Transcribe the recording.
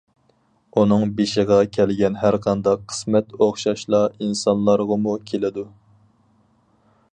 ئۇنىڭ بېشىغا كەلگەن ھەرقانداق قىسمەت ئوخشاشلا ئىنسانلارغىمۇ كېلىدۇ.